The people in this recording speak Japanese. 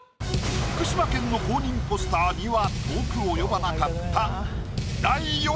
福島県の公認ポスターには遠く及ばなかった。